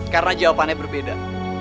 karena jawabannya berbeda